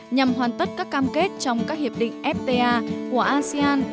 nhằm hoàn tất các cam kết trong các hiệp định fta của asean